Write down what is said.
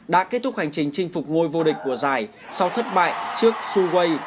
đã kết thúc hành trình chinh phục ngôi vô địch của giải sau thất bại trước suway